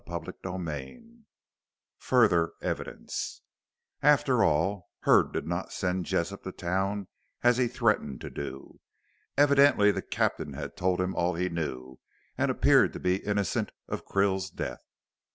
CHAPTER XXII FURTHER EVIDENCE After all, Hurd did not send Jessop to town as he threatened to do. Evidently the captain had told him all he knew, and appeared to be innocent of Krill's death.